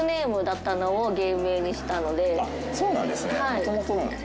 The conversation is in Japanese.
もともとなんだ。